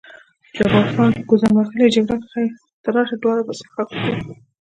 جبار خان: ګوزڼ وهلې جګړه، خیر ته راشه دواړه به څښاک وکړو.